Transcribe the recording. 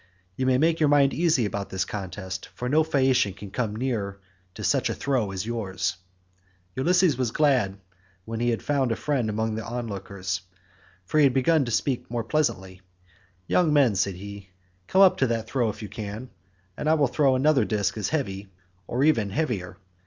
You may make your mind easy about this contest, for no Phaeacian can come near to such a throw as yours." Ulysses was glad when he found he had a friend among the lookers on, so he began to speak more pleasantly. "Young men," said he, "come up to that throw if you can, and I will throw another disc as heavy or even heavier.